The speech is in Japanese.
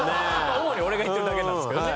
主に俺が言ってるだけなんですけどね。